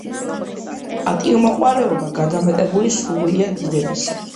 პატივმოყვარეობა გადამეტებული სურვილია დიდებისა.